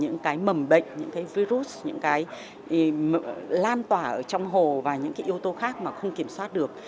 những cái mầm bệnh những cái virus những cái lan tỏa ở trong hồ và những cái yếu tố khác mà không kiểm soát được